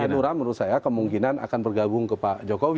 jadi anura menurut saya kemungkinan akan bergabung ke pak jokowi